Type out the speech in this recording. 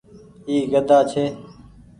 اي گھدآ ڇي۔